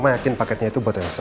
mama yakin paketnya itu buat elsa